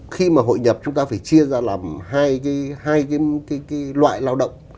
khi mà hội nhập chúng ta phải chia ra làm hai cái loại lao động